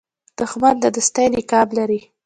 دښمن د دوستۍ نقاب لري